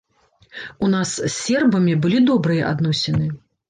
У нас з сербамі былі добрыя адносіны.